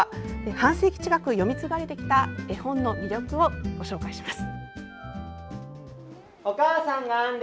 半世紀近く読み継がれてきた絵本の魅力をご紹介します。